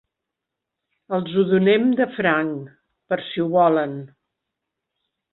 Els ho donem de franc, per si ho volen.